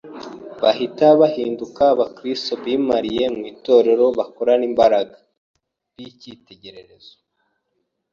bahita bahinduka Abakristo bimariye mu itorero, bakorana imbaraga, b’icyitegererezo